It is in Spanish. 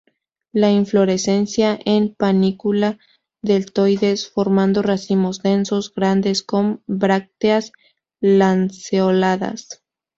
La inflorescencia en panícula deltoides; formando racimos densos, grandes, con brácteas lanceoladas.